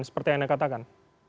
seperti yang anda katakan